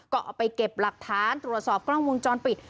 ก็เอาไปเก็บหลักฐานตรวจสอบกล้องวงจรปิด